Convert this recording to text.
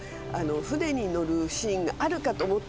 船に乗るシーンがあるかと思ってたんです。